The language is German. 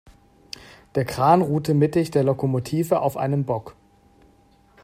Der Kran ruhte mittig der Lokomotive auf einem Bock.